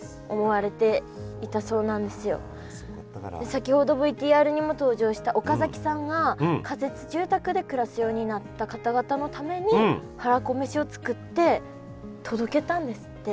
先ほどＶＴＲにも登場した岡崎さんが仮設住宅で暮らすようになった方々のためにはらこめしを作って届けたんですって。